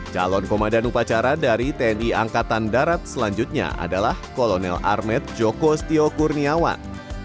calon komandan upacara dari tni angkatan darat selanjutnya adalah kolonel armet joko stio kurniawan